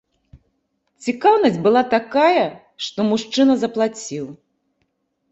Цікаўнасць была такая, што мужчына заплаціў!